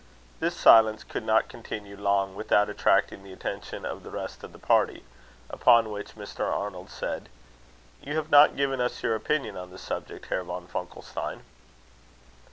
This silence could not continue long without attracting the attention of the rest of the party; upon which Mr. Arnold said: "You have not given us your opinion on the subject, Herr von Funkelstein."